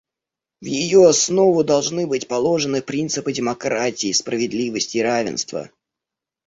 В ее основу должны быть положены принципы демократии, справедливости и равенства.